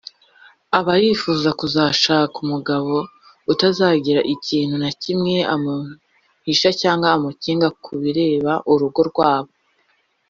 Aba yifuza kuzashaka umugabo utazagira ikintu na kimwe yamuhisha cyangwa amukinga ku bireba urugo rwabo